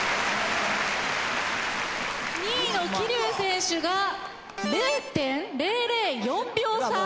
２位の桐生選手が０．００４秒差。